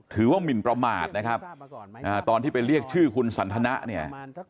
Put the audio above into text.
หมินประมาทนะครับตอนที่ไปเรียกชื่อคุณสันทนะเนี่ย